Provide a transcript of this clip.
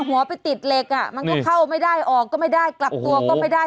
หัวไปติดเหล็กอ่ะมันก็เข้าไม่ได้ออกก็ไม่ได้กลับตัวก็ไม่ได้